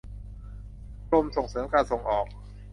กรมส่งเสริมการส่งออก